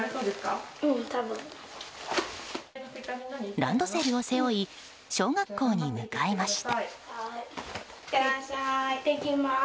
ランドセルを背負い小学校に向かいました。